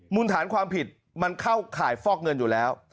ฐานความผิดมันเข้าข่ายฟอกเงินอยู่แล้ว